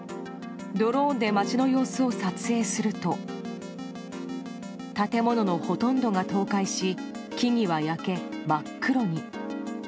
ドローンで街の様子を撮影すると建物のほとんどが倒壊し木々は焼け、真っ黒に。